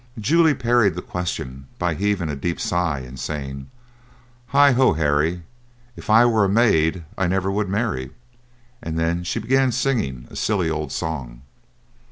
Julia parried the question by heaving a deep sigh, and saying: "Hi, ho, Harry, if I were a maid, I never would marry;" and then she began singing a silly old song.